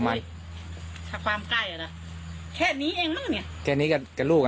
กันหวังจัง